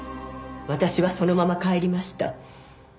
私はそのまま帰りました。